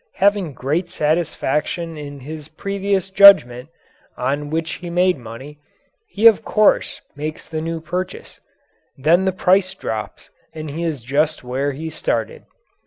Having great satisfaction in his previous judgment, on which he made money, he of course makes the new purchase. Then the price drops and he is just where he started.